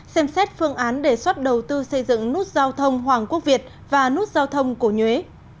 xem xét phương án đề xuất đầu tư xây dựng nút giao thông hoàng quốc việt và nút giao thông cổ nhuế